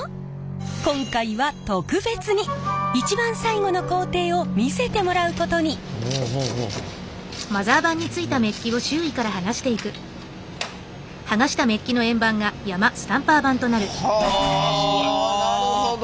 今回は特別に一番最後の工程を見せてもらうことに。はなるほど！